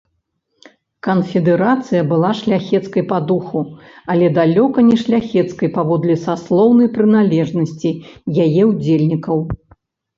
Канфедэрацыя была шляхецкай па духу, але далёка не шляхецкай паводле саслоўнай прыналежнасці яе ўдзельнікаў.